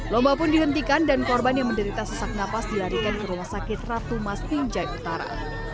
lomba pun dihentikan dan korban yang menderita sesak napas dilarikan ke rumah sakit ratu mas pinjai utara